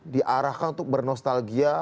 diarahkan untuk bernostalgia